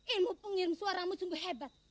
ilmu pengirim suaramu sungguh hebat